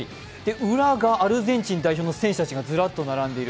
裏がアルゼンチン代表の選手たちがずらっと並んでいる。